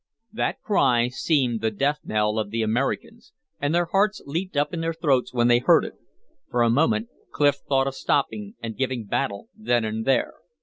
That cry seemed the death knell of the Americans, and their hearts leaped up in their throats when they heard it. For a moment Clif thought of stopping and giving battle then and there.